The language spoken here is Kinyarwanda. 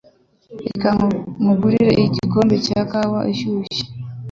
Reka nkugire igikombe cya kawa ishyushye.